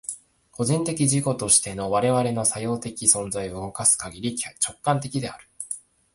個人的自己としての我々の作用的存在を動かすかぎり、直観的である。